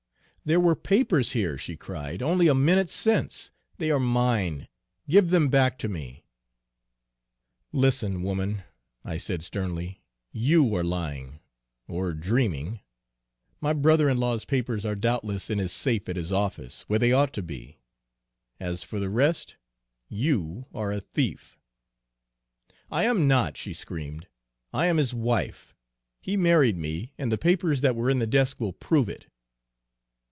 "'There were papers here,' she cried, 'only a minute since. They are mine, give them back to me!' "'Listen, woman,' I said sternly, 'you are lying or dreaming. My brother in law's papers are doubtless in his safe at his office, where they ought to be. As for the rest, you are a thief.' "'I am not,' she screamed; 'I am his wife. He married me, and the papers that were in the desk will prove it.'